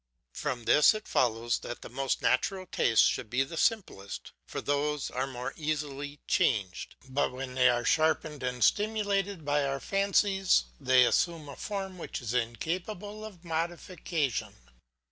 From this it follows that the most natural tastes should be the simplest, for those are more easily changed; but when they are sharpened and stimulated by our fancies they assume a form which is incapable of modification.